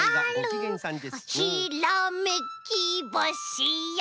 「ひらめきぼしよ」